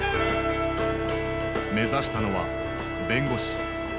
目指したのは弁護士。